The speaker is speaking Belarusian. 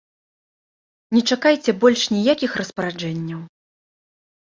Не чакайце больш ніякіх распараджэнняў.